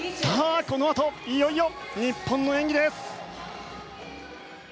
このあといよいよ日本の演技です。